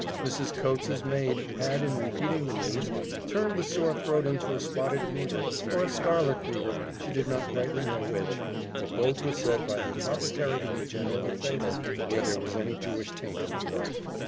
Mrs. Coates's maid had, in repeating the news, "turned the sore throat into a spotted fever, or a scarlet fever, she did not rightly know which, but both were said by the apothecary to be generally fatal, where there was any Jewish taint in the blood."